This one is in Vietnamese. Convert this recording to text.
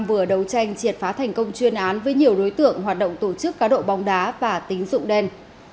vừa đấu tranh triệt phá thành công chuyên án với nhiều đối tượng hoạt động tổ chức cá độ bóng đá và tính dụng đen